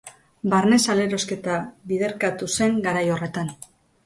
Barne salerosketa biderkatu zen garai horretan.